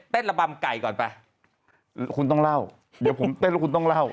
ระบำไก่ก่อนไปคุณต้องเล่าเดี๋ยวผมเต้นแล้วคุณต้องเล่า